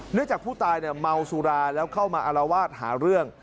จากผู้ตายเมาสุราแล้วเข้ามาอารวาสหาเรื่อง